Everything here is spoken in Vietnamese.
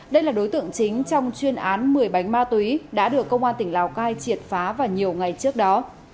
đây là đối tượng chính trong chuyên án một mươi bánh ma túy đã được công an tỉnh lào cai triệt phá vào nhiều ngày trước đó